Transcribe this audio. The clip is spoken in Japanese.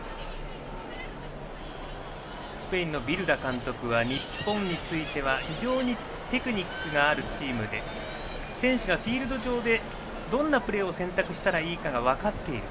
スペインのビルダ監督は日本については非常にテクニックがあるチームで選手がフィールド上でどんなプレーを選択したらいいかが分かっている。